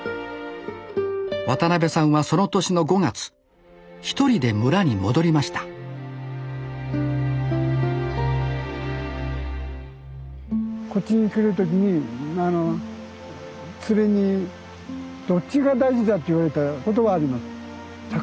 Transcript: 渡邉さんはその年の５月一人で村に戻りましたこっちに来る時にツレにどっちが大事だって言われたことがあります。